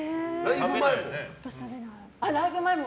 ライブ前も？